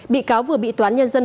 bị cáo vừa bị toán nhân dân